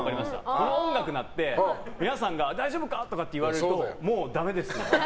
この音楽が鳴って皆さんが大丈夫か？って言われるともうだめですね。